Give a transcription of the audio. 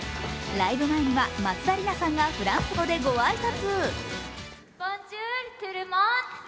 ライブ前には松田里奈さんがフランス語でご挨拶。